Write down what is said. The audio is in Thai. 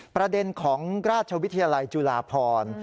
ประเด็นของราชวิทยาลัยจุฬาพร